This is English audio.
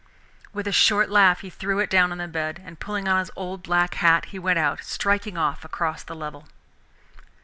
With a short laugh he threw it down on the bed, and pulling on his old black hat, he went out, striking off across the level.